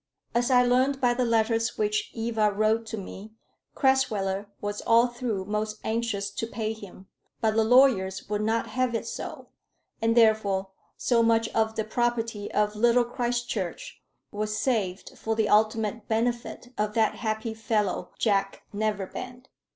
As I learned by the letters which Eva wrote to me, Crasweller was all through most anxious to pay him; but the lawyers would not have it so, and therefore so much of the property of Little Christchurch was saved for the ultimate benefit of that happy fellow Jack Neverbend.